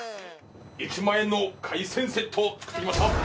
１万円の海鮮セット作ってきました。